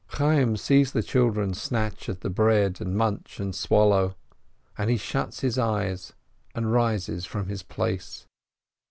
Chayyim sees the children snatch at the bread and munch and swallow, and he shuts his eyes, and rises from his place.